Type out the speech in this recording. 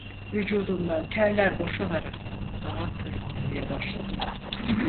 Vücudumdan terler boşanarak dağa tırmanmaya başladım.